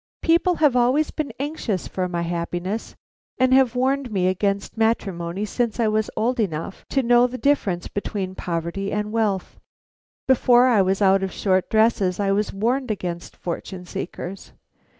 "People have always been anxious for my happiness, and have warned me against matrimony since I was old enough to know the difference between poverty and wealth. Before I was out of short dresses I was warned against fortune seekers.